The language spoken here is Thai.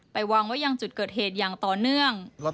วางไว้ยังจุดเกิดเหตุอย่างต่อเนื่อง